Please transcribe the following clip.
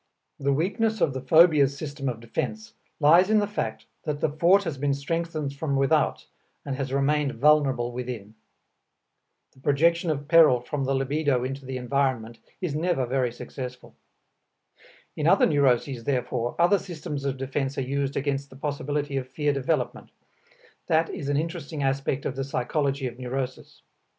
The weakness of the phobias' system of defense lies in the fact that the fort has been strengthened from without and has remained vulnerable within. The projection of peril from the libido into the environment is never very successful. In other neuroses, therefore, other systems of defense are used against the possibility of fear development. That is an interesting aspect of the psychology of neurosis.